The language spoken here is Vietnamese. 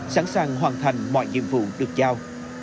sẵn sàng hoàn thành mọi nhiệm vụ được giao